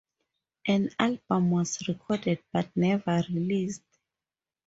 An album was recorded, but never released.